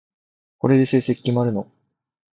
これで成績決まるの？